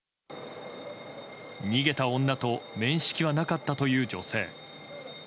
逃げた女と面識はなかったという女性。